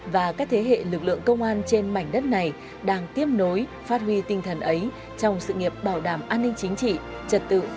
và các thế hệ lực lượng công an trên mảnh đất này đang tiếp nối phát huy tinh thần ấy trong sự nghiệp bảo đảm an ninh chính trị trật tự an toàn xã hội